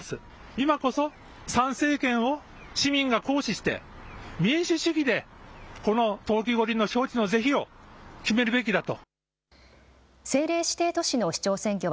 今こそ、参政権を市民が行使して、民主主義で、この冬季五輪の招致の是非を決めるべきだと。